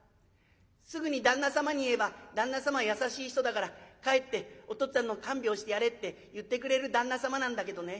すぐに旦那様に言えば旦那様は優しい人だから帰ってお父っつぁんの看病してやれって言ってくれる旦那様なんだけどね